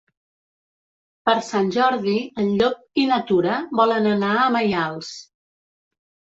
Per Sant Jordi en Llop i na Tura volen anar a Maials.